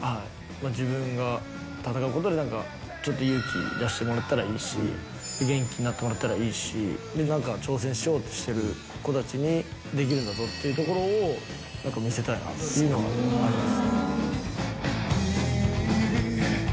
まあ自分が闘うことで何か勇気出してもらったらいいし元気になってもらったらいいしで何か挑戦しようとしてる子たちにできるんだぞっていうところを見せたいなっていうのがあります